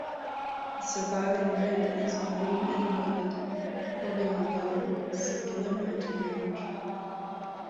The surviving rim is worn and eroded, forming a low, circular mountain range.